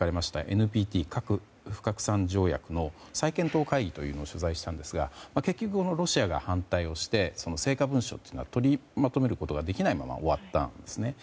ＮＰＴ・核不拡散条約の再検討会議というのを取材したんですが結局ロシアが反対して成果文書は取りまとめることができないまま終わったんですね。